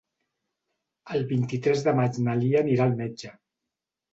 El vint-i-tres de maig na Lia anirà al metge.